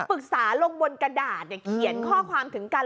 ปรึกษาลงบนกระดาษเขียนข้อความถึงกัน